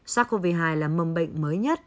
sars cov hai là mầm bệnh mới nhất